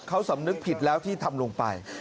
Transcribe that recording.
เขาสำนึกผิดแล้วที่ทำลงไป